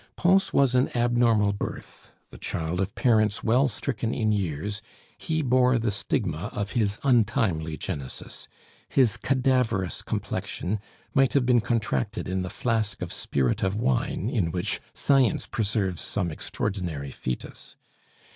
Pons was an abnormal birth; the child of parents well stricken in years, he bore the stigma of his untimely genesis; his cadaverous complexion might have been contracted in the flask of spirit of wine in which science preserves some extraordinary foetus.